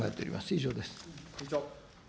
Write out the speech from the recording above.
以上です。